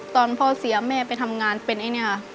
ตอนพ่อเสียแม่ไปทำงานเป็นไอ้เนี่ย